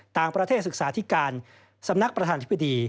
ต่างประเทศศึกษาธิการสำนักประธานธิบดี